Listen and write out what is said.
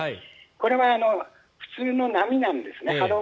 これは普通の波なんですね。